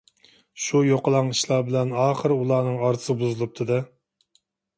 شۇ يوقىلاڭ ئىشلار بىلەن ئاخىرى ئۇلارنىڭ ئارىسى بۇزۇلۇپتۇ-دە.